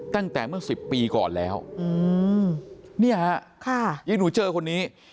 ตั้งแต่เมื่อ๑๐ปีก่อนแล้วเนี่ยฮะค่ะยายหนูเจอคนนี้